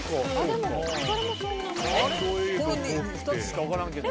この２つしか分からんけど。